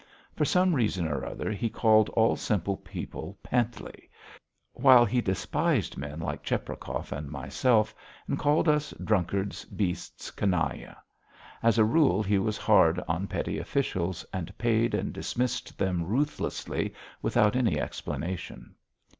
For some reason or other he called all simple people Panteley, while he despised men like Cheprakov and myself, and called us drunkards, beasts, canaille. As a rule he was hard on petty officials, and paid and dismissed them ruthlessly without any explanation.